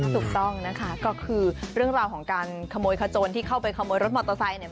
ถูกต้องนะคะก็คือเรื่องราวของการขโมยขโจรที่เข้าไปขโมยรถมอเตอร์ไซค์เนี่ย